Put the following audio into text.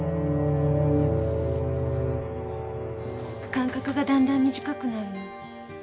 間隔がだんだん短くなるの。